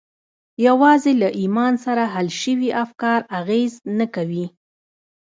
یوازې له ایمان سره حل شوي افکار اغېز نه کوي